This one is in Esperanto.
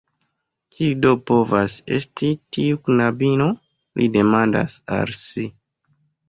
Kiu do povas esti tiu knabino? li demandas al si.